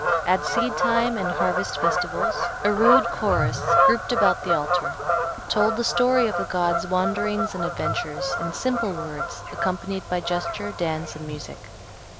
At seed time and harvest festivals a rude chorus, grouped about the altar, told the story of the god's wanderings and adventures, in simple words, accompanied by gesture, dance and music.